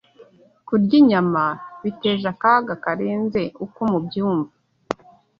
kurya inyama biteje akaga karenze uko mubyumva